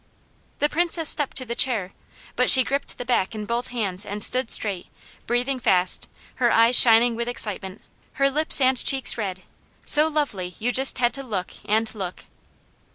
The Princess stepped to the chair, but she gripped the back in both hands and stood straight, breathing fast, her eyes shining with excitement, her lips and cheeks red, so lovely you just had to look, and look.